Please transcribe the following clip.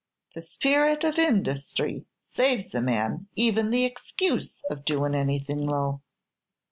The spirit of industhry saves a man even the excuse of doin' anything low!"